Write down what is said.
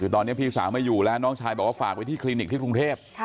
คือตอนนี้พี่สาวไม่อยู่แล้วน้องชายบอกว่าฝากไว้ที่คลินิกที่กรุงเทพ